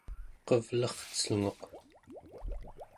qevlercelnguq